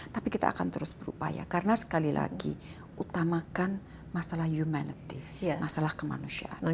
tapi kita akan terus berupaya karena sekali lagi utamakan masalah kemanusiaan